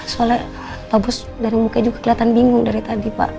soalnya pak bos dari bukanya juga keliatan bingung dari tadi pak